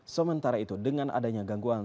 sementara itu dengan adanya gangguan